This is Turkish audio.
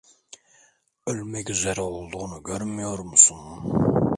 Ölmek üzere olduğunu görmüyor musun?